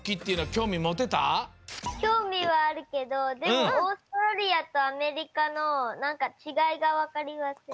きょうみはあるけどでもオーストラリアとアメリカのなんかちがいがわかりません。